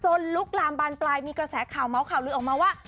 ลุกลามบานปลายมีกระแสข่าวเมาส์ข่าวลือออกมาว่า